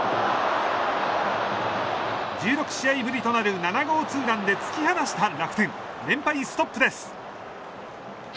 １６試合ぶりとなる７号ツーランで突き放した楽天連敗ストップです。